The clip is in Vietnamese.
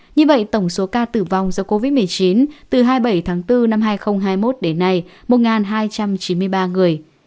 như vậy tổng số ca tử vong do covid một mươi chín từ hai mươi bảy tháng bốn năm hai nghìn hai mươi một đến nay một hai trăm chín mươi ba người